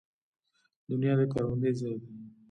دنیا د کروندې ځای دی